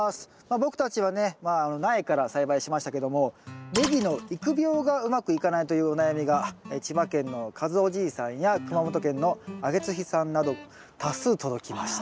僕たちはねまあ苗から栽培しましたけどもネギの育苗がうまくいかないというお悩みが千葉県のかずおじいじさんや熊本県のあげつひさんなど多数届きました。